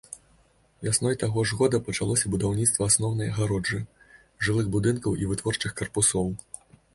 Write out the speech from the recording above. Вясной таго ж года пачалося будаўніцтва асноўнай агароджы, жылых будынкаў і вытворчых карпусоў.